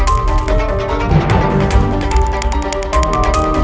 apak apa yang terjadi